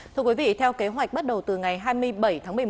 thưa quý vị theo kế hoạch bắt đầu từ ngày hai mươi bảy tháng một mươi một